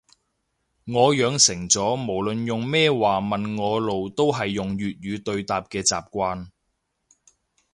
我養成咗無論用咩話問我路都係粵語對答嘅習慣